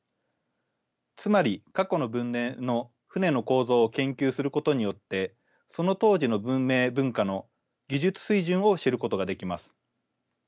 つまり過去の文明の船の構造を研究することによってその当時の文明文化の技術水準を知ることができます。